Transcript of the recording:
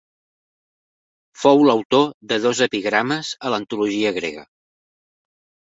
Fou l'autor de dos epigrames a l'antologia grega.